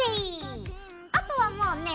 あとはもうね